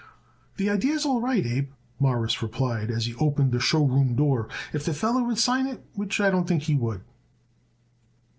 "The idee is all right, Abe," Morris replied as he opened the show room door, "if the feller would sign it, which I don't think he would."